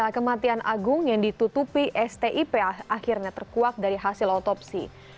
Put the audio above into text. kematian agung yang ditutupi stip akhirnya terkuak dari hasil otopsi